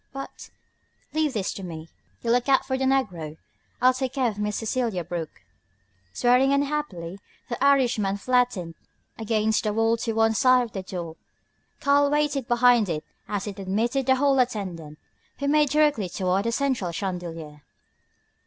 "But " "Leave this to me. You look out for the negro. I'll take care of Miss Cecelia Brooke." Swearing unhappily, the Irishman flattened against the wall to one side of the door. Karl waited behind it as it admitted the hall attendant, who made directly toward the central chandelier.